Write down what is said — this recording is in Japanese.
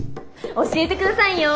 教えてくださいよー。